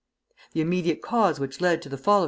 The immediate cause which led to the fall of M.